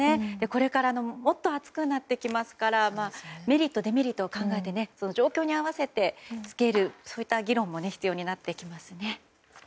これからもっと暑くなってきますからメリット、デメリットを考えて状況に合わせて着ける、着けないといった議論も必要になってきますよね。